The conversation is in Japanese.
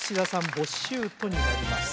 ボッシュートになります